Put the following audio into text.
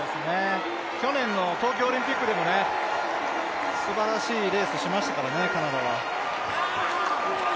去年の東京オリンピックでもすばらしいレースしましたからね、カナダは。